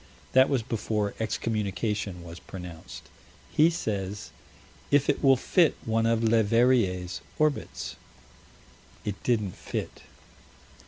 That was before excommunication was pronounced. He says: "If it will fit one of Leverrier's orbits" It didn't fit.